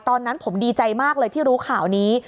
ตอนนั้นผมดีใจมากเลยที่รู้ข่าวนี้